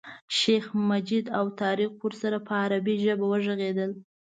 شیخ مجید او طارق ورسره په عربي ژبه وغږېدل.